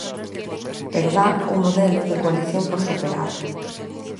Pero dá o modelo de coalición por superado.